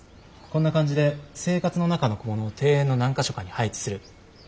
こんな感じで生活の中の小物を庭園の何か所かに配置する。